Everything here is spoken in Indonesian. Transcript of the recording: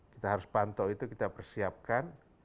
kita harus pantau itu kita persiapkan